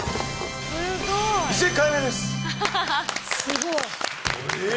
すごい。え。